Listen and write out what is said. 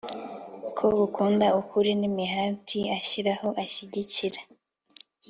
ko akunda ukuri, n'imihati ashyiraho ashyigikira